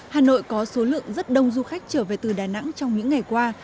hà nội có số lượng rất đông du khách trở về từ đà nẵng trong những ngày qua